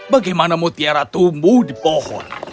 bagaimanamu tiara tumbuh di pohon